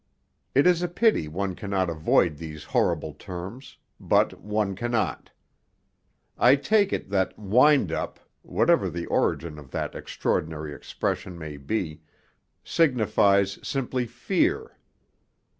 It is a pity one cannot avoid these horrible terms, but one cannot. I take it that 'wind up' whatever the origin of that extraordinary expression may be signifies simply 'fear.'